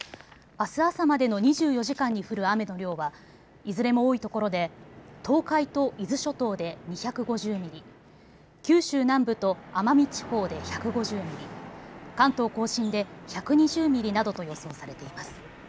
あす朝までの２４時間に降る雨の量はいずれも多いところで東海と伊豆諸島で２５０ミリ、九州南部と奄美地方で１５０ミリ、関東甲信で１２０ミリなどと予想されています。